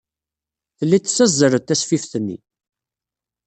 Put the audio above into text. Telliḍ tessazzaleḍ tasfift-nni.